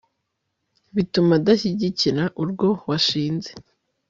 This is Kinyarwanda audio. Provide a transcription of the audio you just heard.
bituma udashyigikira urwo washinze